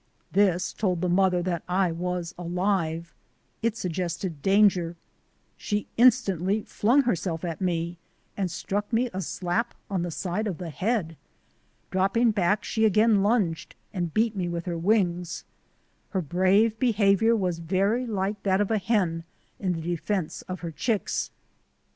This told the mother that I was alive. It suggested danger. She instantly flung herself at me and struck me a slap on the side of the head. Dropping back she again lunged and beat me with her wings. Her brave behaviour was very like that of a hen in the defence of her chicks.